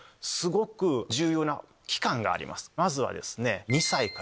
まずはですね。